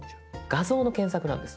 画像の検索なんです。